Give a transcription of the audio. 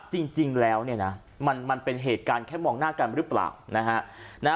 จริงแล้วเนี่ยนะมันเป็นเหตุการณ์แค่มองหน้ากันหรือเปล่านะฮะ